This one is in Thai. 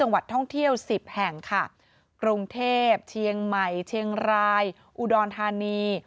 เมืองใหม่เชียงรายอุดรธานี